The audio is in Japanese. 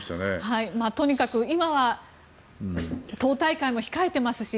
とにかく今は党大会も控えていますし